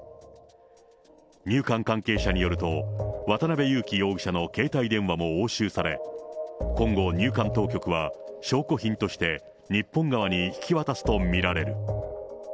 入管関係者によると、渡辺優樹容疑者の携帯電話も押収され、今後、入管当局は証拠品として、日本側に引き渡すと見られる。